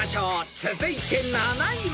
［続いて７位は］